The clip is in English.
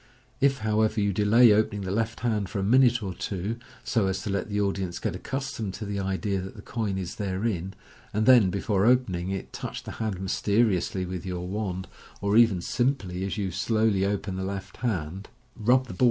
If, how ever, you delay opening the left hand for a minute or two, so as to let the audience get accustomed to the idea that the coin is therein, and then, before opening it, touch the hand mysteriously with your wand, or even simply, as you slowly open the left hand, rub the ball i56 MODERN MAGIC. Fig. 75.